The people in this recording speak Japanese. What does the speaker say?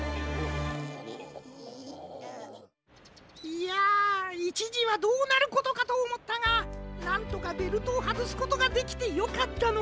いやいちじはどうなることかとおもったがなんとかベルトをはずすことができてよかったのう。